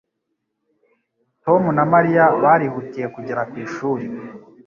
Tom na Mariya barihutiye kugera ku ishuri.